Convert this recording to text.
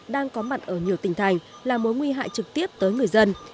đang có mặt ở nhiều tỉnh thành là mối nguy hại trực tiếp tới người dân